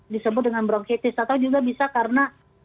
disebut dengan bronchetis atau juga bisa karena